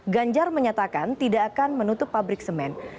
ganjar menyatakan tidak akan menutup pabrik semen